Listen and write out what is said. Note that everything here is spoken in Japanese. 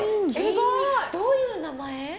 どういう名前？